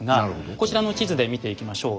こちらの地図で見ていきましょう。